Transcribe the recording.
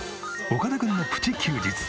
岡田君のプチ休日。